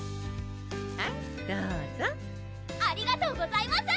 はいどうぞありがとうございます！